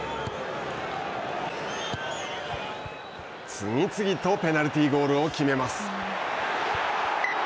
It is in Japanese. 次々とペナルティーゴールを決めます。